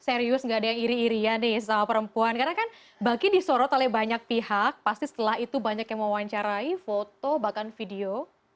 serius gak ada yang iri irian nih sama perempuan karena kan baki disorot oleh banyak pihak pasti setelah itu banyak yang mewawancarai foto bahkan video